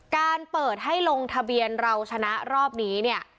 การเปิดให้ลงทะเบียนเราชนะรอบนี้เนี่ย